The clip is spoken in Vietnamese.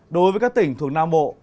đối với các tỉnh thuộc nam bộ